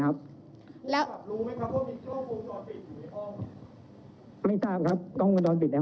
เรามีการปิดบันทึกจับกลุ่มเขาหรือหลังเกิดเหตุแล้วเนี่ย